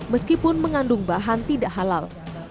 meskipun mengandung bahan tidak halal